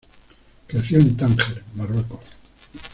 Creció en Tánger, Marruecos.